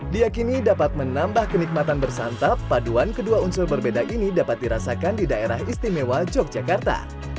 diakini dapat menambah kenikmatan bersantap paduan kedua unsur berbeda ini dapat dirasakan di daerah istimewa yogyakarta